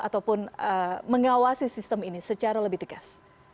ataupun mengawasi sistem ini secara lebih tegas